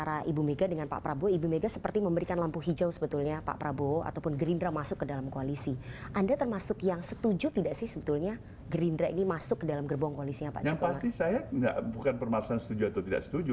yang pasti saya bukan permasalahan setuju atau tidak setuju